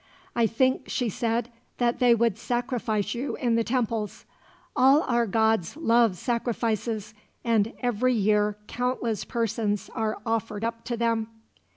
"I think," she said, "that they would sacrifice you in the temples. All our gods love sacrifices, and every year countless persons are offered up to them."